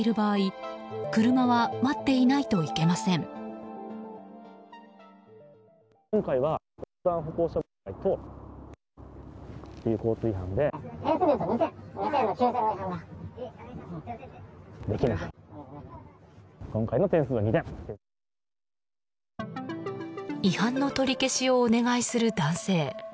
違反の取り消しをお願いする男性。